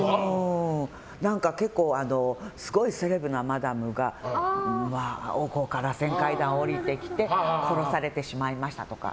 結構すごいセレブなマダムが奥から螺旋階段を下りてきて殺されてしまいました、とか。